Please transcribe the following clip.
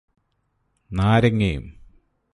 നാരങ്ങയും